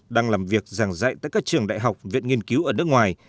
đang làm việc giảng dạy tại các trường đại học viện nghiên cứu ở nước ngoài